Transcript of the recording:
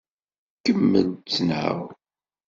Kemmel ttnaɣ.